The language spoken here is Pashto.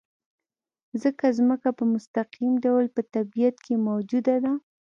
ځکه ځمکه په مستقیم ډول په طبیعت کې موجوده ده.